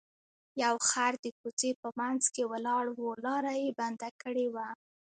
یو خر د کوڅې په منځ کې ولاړ و لاره یې بنده کړې وه.